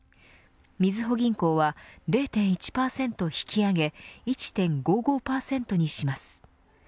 みずほ銀行は０．１％引き上げ１．５５％にします。